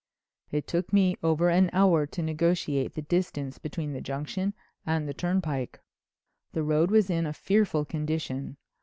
"It took me over an hour to negotiate the distance between the Junction and the turnpike. The road was in a fearful condition.